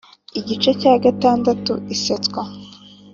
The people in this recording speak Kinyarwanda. igice cya gatandatu iseswa